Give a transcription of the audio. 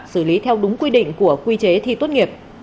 xử lý theo đúng quy định của quy chế thi tốt nghiệp